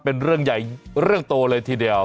เป็นเรื่องใหญ่เรื่องโตเลยทีเดียว